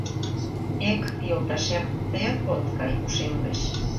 Эк, йолташем, тыят от кай ушем гыч.